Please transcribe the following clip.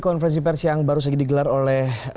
konferensi pers yang baru saja digelar oleh